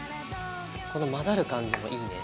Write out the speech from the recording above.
この混ざる感じもいいね。